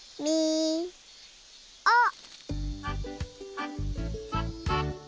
あっ！